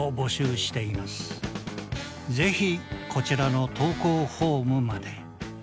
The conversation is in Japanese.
ぜひこちらの投稿フォームまで。